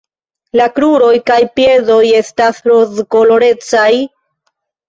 La kruroj kaj piedoj estas rozkolorecaj.